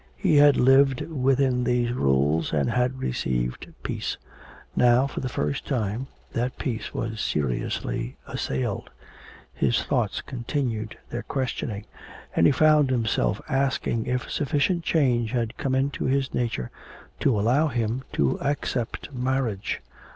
He had lived within these rules and had received peace. Now for the first time that peace was seriously assailed. His thoughts continued their questioning, and he found himself asking if sufficient change had come into his nature to allow him to accept marriage.